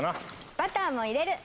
バターも入れる！